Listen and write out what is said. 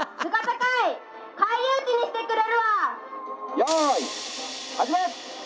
「よい始め！」。